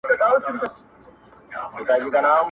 وخته ویده ښه یو چي پایو په تا نه سمیږو -